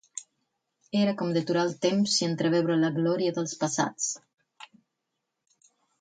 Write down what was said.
Era com deturar el temps i entreveure la glòria dels passats